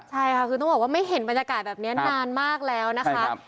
ใช่ค่ะคือต้องบอกว่าไม่เห็นบรรยากาศแบบนี้นานมากแล้วนะคะ